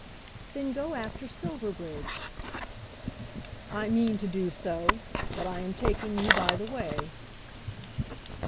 "Then go after Silverbridge." "I mean to do so; but I am taking you by the way."